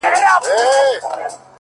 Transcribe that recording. • کله یو خوا کله بله شاته تلله ,